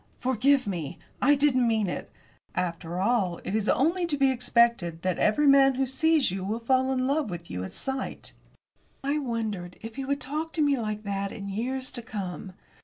"Forgive me! I didn't mean it! After all, it is only to be expected that every man who sees you will fall in love with you at sight." I wondered if he would talk to me like that in years to come.